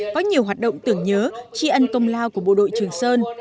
có nhiều hoạt động tưởng nhớ tri ân công lao của bộ đội trường sơn